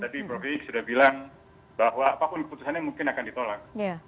jadi saya sudah bilang bahwa apapun keputusannya mungkin akan ditolak